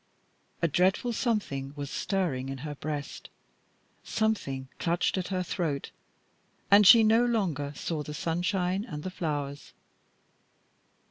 A dreadful something was stirring in her breast, something clutched at her throat, and she no longer saw the sunshine and the flowers.